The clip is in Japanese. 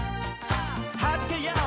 「はじけよう！